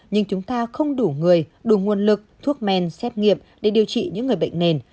nhưng chúng ta không đủ người đủ nguồn lực thuốc men xét nghiệm để điều trị những người bệnh nền